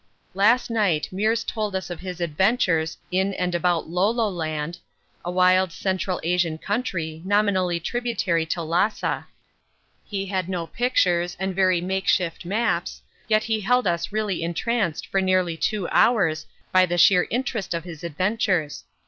Last night Meares told us of his adventures in and about Lolo land, a wild Central Asian country nominally tributary to Lhassa. He had no pictures and very makeshift maps, yet he held us really entranced for nearly two hours by the sheer interest of his adventures.